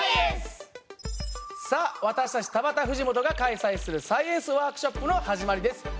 さあ私たち田畑藤本が開催するサイエンスワークショップの始まりです。